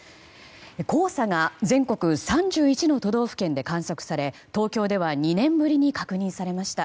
黄砂が全国３１の都道府県で観測され、東京では２年ぶりに確認されました。